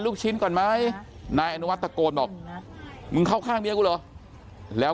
ลูกชิ้นก่อนไหมนายอนุวัฒนตะโกนบอกมึงเข้าข้างเมียกูเหรอแล้ว